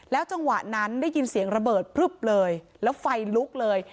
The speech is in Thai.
จังหวะนั้นได้ยินเสียงระเบิดพลึบเลยแล้วไฟลุกเลย